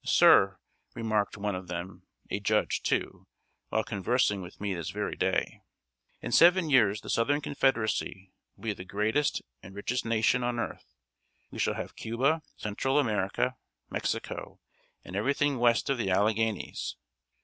"Sir," remarked one of them, a judge, too, while conversing with me this very day, "in seven years, the Southern Confederacy will be the greatest and richest nation on earth. We shall have Cuba, Central America, Mexico, and every thing west of the Alleghanies.